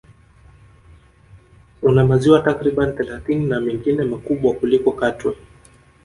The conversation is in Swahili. Una maziwa takriban thelathini na mengine makubwa kuliko Katwe